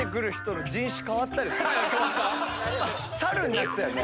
猿になってたよね。